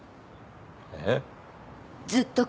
えっ？